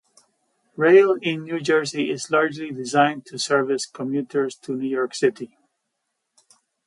Rail in New Jersey is largely designed to service commuters to New York City.